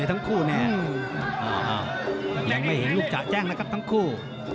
ยังไม่เห็นลูกจ่ะแจ้งนะครับทั้งคู่